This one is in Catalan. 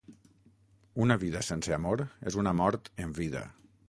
Una vida sense amor és una mort en vida.